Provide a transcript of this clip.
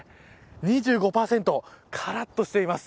２５％からっとしています。